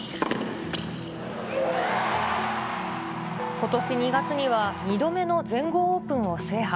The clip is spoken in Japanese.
ことし２月には、２度目の全豪オープンを制覇。